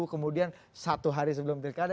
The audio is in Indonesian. kemudian satu hari sebelum pilkada